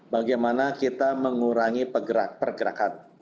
bagaimana kita mengurangi pergerakan